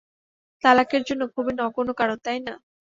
তালাকের জন্য খুবই নগণ্য কারণ, তাই না।